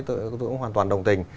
tôi cũng hoàn toàn đồng tình